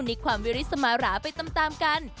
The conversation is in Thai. มีความวิริสมาหราไปตามตามกัน